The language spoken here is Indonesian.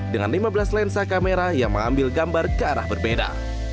dengan lima belas lensa kamera yang mengambil gambar ke arah berbeda